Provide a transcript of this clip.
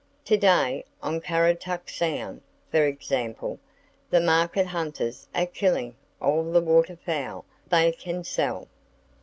To day, on Currituck Sound, for example, the market hunters are killing all the waterfowl they can sell.